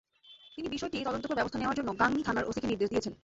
তিনি বিষয়টি তদন্ত করে ব্যবস্থা নেওয়ার জন্য গাংনী থানার ওসিকে নির্দেশ দিয়েছেন।